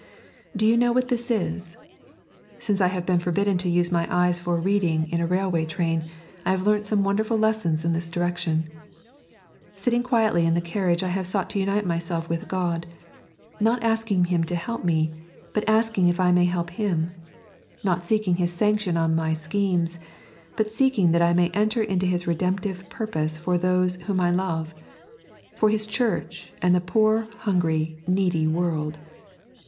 Do you know what this is t Since I have been forbidden to use my eyes for reading in a railway train, I have learnt some wonderful lessons in this direction. Sitting quietly in the carriage I have sought to unite myself with Giod, not asking Him to help me, but asking if I may help Him ; not seeking His sanction on m; schemes, but seeking that I may enter into His Redemptive purposes for those whom I love, for Hie Church and the poor hungry, needy world.